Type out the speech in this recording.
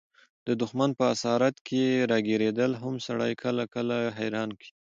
د دښمن په اسارت کښي راګیرېدل هم سړى کله – کله حيران کي.